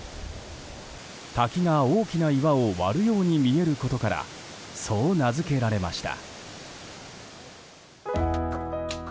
滝が大きな岩を割るように見えることからそう名付けられました。